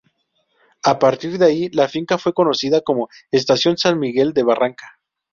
A partir de ahí, la finca fue conocida como Estación San Miguel de Barranca.